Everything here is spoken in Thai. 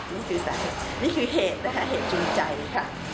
นี่คือเหตุจริงใจค่ะ